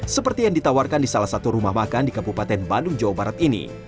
seperti yang ditawarkan di salah satu rumah makan di kabupaten bandung jawa barat ini